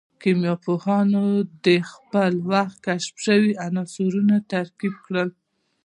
کيميا پوهانو د خپل وخت کشف سوي عنصرونه ترتيب کړل.